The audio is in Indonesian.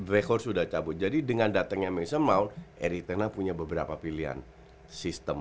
record sudah cabut jadi dengan datangnya mason maun eric tena punya beberapa pilihan sistem